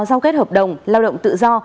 giao kết hợp đồng lao động tự do